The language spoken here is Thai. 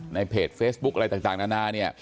ในเพจเฟซบุ๊คอะไรต่างนานาเนี่ย